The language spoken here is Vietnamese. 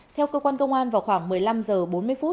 theo cơ quan công an vào khoảng một mươi năm h ba mươi